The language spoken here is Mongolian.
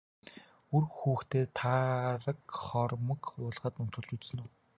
Үр хүүхдээ тараг хоормог уулгаад унтуулж үзсэн үү?